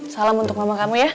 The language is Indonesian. salam untuk mama kamu ya